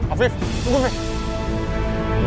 afif tunggu fik